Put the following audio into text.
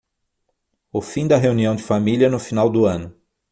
O fim da reunião de família no final do ano